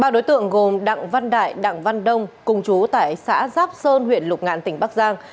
ba đối tượng gồm đặng văn đại đặng văn đông cùng chú tại xã giáp sơn huyện lục ngạn tỉnh bắc giang